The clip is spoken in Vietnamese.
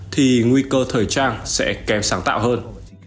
thì nguy cơ thời trang sẽ kém sáng tạo hơn